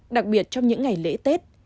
đặc biệt trong những ngày lễ tết